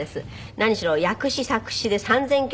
何しろ訳詩作詩で３０００曲。